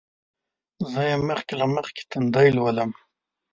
زه یې مخکې له مخکې تندی لولم.